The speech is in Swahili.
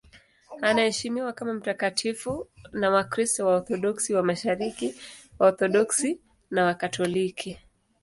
Anaheshimiwa kama mtakatifu na Wakristo Waorthodoksi wa Mashariki, Waorthodoksi na Wakatoliki.